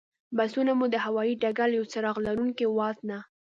بسونه مو د هوایي ډګر له یوه څراغ لرونکي واټ نه.